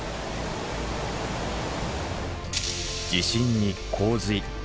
地震に洪水。